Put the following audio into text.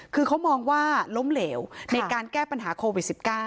คือเขามองว่าล้มเหลวในการแก้ปัญหาโควิด๑๙